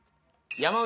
山内。